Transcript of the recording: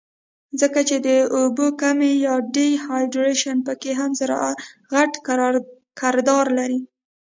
ځکه چې د اوبو کمے يا ډي هائيډرېشن پکښې هم غټ کردار لري